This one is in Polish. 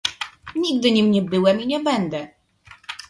Nigdy nim nie byłem i nie będę